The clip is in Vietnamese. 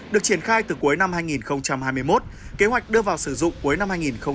được triển khai từ cuối năm hai nghìn hai mươi một kế hoạch đưa vào sử dụng cuối năm hai nghìn hai mươi